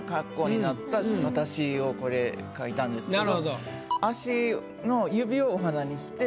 これ描いたんですけど。